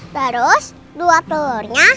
terus dua telurnya